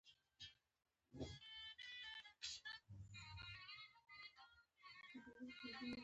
له يو حساس تاریخي پړاو څخه